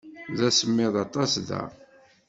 D asemmiḍ aṭas da.